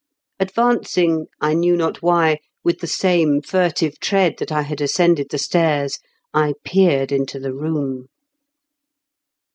Advancing, I knew not why, with the same furtive tread that I had ascended the stairs, I peered into the room.